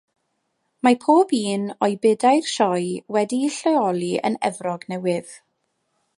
Mae pob un o'i bedair sioe wedi'u lleoli yn Efrog Newydd.